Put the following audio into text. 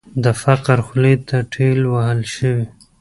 د فقر خولې ته ټېل وهل شوې.